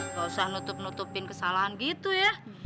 nggak usah nutup nutupin kesalahan gitu ya